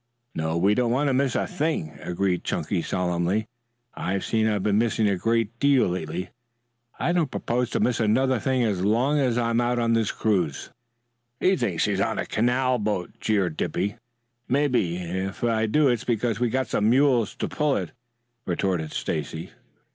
"No, we don't want to miss a thing," agreed Chunky solemnly. "I see I've been missing a great deal lately. I don't propose to miss another thing as long as I'm out on this cruise." "He thinks he's on a canal boat," jeered Dippy. "Maybe if I do it's because we've got some mules to pull it," retorted Stacy.